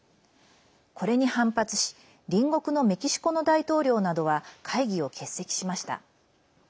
これに反発し隣国のメキシコの大統領などは会議を欠席しました。